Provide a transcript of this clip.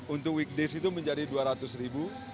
untuk weekdays itu menjadi dua ratus ribu